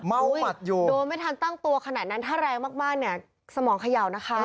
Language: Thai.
หมัดอยู่โดยไม่ทันตั้งตัวขนาดนั้นถ้าแรงมากเนี่ยสมองเขย่านะคะ